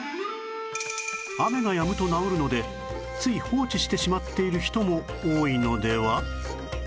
雨が止むと治るのでつい放置してしまっている人も多いのでは？